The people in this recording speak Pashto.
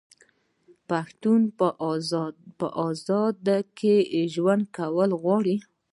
آیا پښتون په ازادۍ کې ژوند کول نه غواړي؟